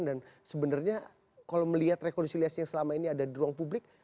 dan sebenarnya kalau melihat rekonsiliasi yang selama ini ada di ruang publik